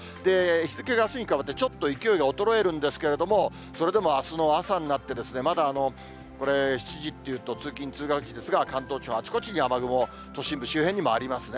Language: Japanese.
日付があすに変わって、ちょっと勢いが衰えるんですけれども、それでもあすの朝になって、まだこれ、７時っていうと、通勤・通学時ですが、関東地方、あちこちに雨雲、都心部周辺にもありますね。